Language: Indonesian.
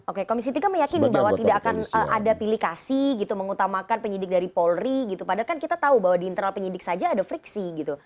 oke komisi tiga meyakini bahwa tidak akan ada pilih kasih gitu mengutamakan penyidik dari polri gitu padahal kan kita tahu bahwa di internal penyidik saja ada friksi gitu